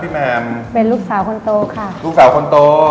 เป็นลูกสาวคนโต